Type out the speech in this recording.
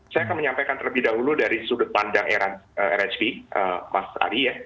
saya akan menyampaikan terlebih dahulu dari sudut pandang rhb mas ali ya